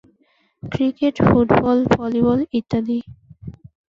Cricket, football, volleyball ইত্যাদি।